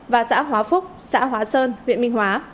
và xã hóa phúc xã hóa sơn huyện minh hóa